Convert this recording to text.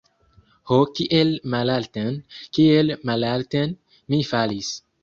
Ho, kiel malalten, kiel malalten mi falis!